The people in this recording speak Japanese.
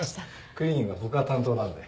クリーニングは僕が担当なんで。